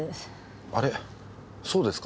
あれっそうですか？